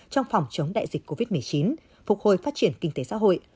trong phòng chống đại dịch covid một mươi chín phục hồi phát triển kinh tế xã hội